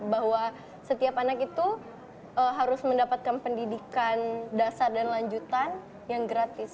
bahwa setiap anak itu harus mendapatkan pendidikan dasar dan lanjutan yang gratis